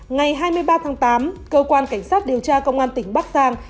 ngày hai mươi ba tháng tám cơ quan cảnh sát điều tra công an tỉnh bắc giang